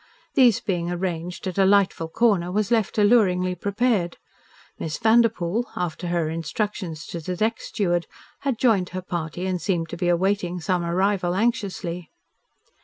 These being arranged, a delightful corner was left alluringly prepared. Miss Vanderpoel, after her instructions to the deck steward, had joined her party and seemed to be awaiting some arrival anxiously.